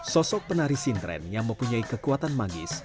sosok penari sintren yang mempunyai kekuatan magis